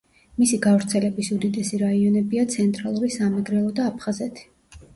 მისი გავრცელების უდიდესი რაიონებია ცენტრალური სამეგრელო და აფხაზეთი.